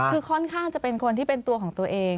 คือค่อนข้างจะเป็นคนที่เป็นตัวของตัวเอง